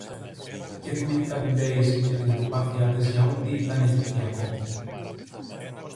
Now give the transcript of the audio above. Και θυμήθηκα τη Ντέιζη και την αντιπάθεια της για ό,τι ήταν αιγυπτιακό.